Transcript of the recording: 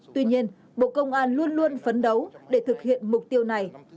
tuy nhiên bộ công an luôn luôn phấn đấu để thực hiện mục tiêu này